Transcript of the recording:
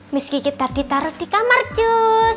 miss kiki tadi taruh di kamar cus